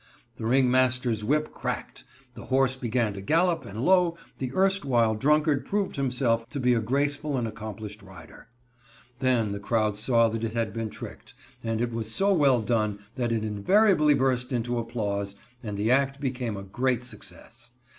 The ringmaster's whip cracked, the horse began to gallop and lo, the erstwhile drunkard proved himself to be a graceful and accomplished rider. Then the crowd saw that it had been tricked, but it was so well done that it invariably burst into applause, and the act became a great success.